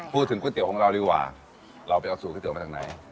พูดถึงก๋วยเตี๋ยวของเราดีกว่าเราไปเอาสูตรก๋วยเตี๋ยวมาจากไหน